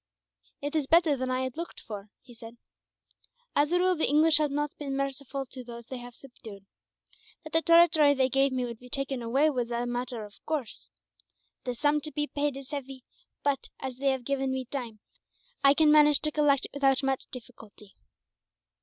"It is better than I had looked for," he said. "As a rule, the English have not been merciful to those they have subdued. That the territory they gave me would be taken away was a matter of course. The sum to be paid is heavy but, as they have given me time, I can manage to collect it without much difficulty.